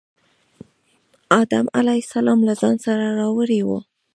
آدم علیه السلام له ځان سره راوړی و.